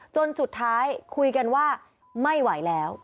จนสุดท้ายคุยกันว่าไม่ไหวแล้ว